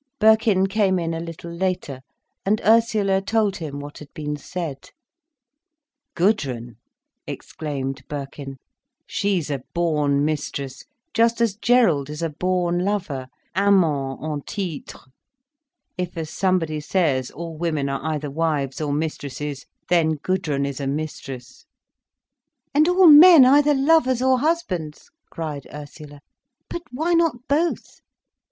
Birkin came in a little later, and Ursula told him what had been said. "Gudrun!" exclaimed Birkin. "She's a born mistress, just as Gerald is a born lover—amant en titre. If as somebody says all women are either wives or mistresses, then Gudrun is a mistress." "And all men either lovers or husbands," cried Ursula. "But why not both?"